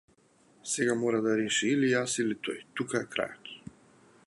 Сега мора да реши или јас или тој тука е крајот.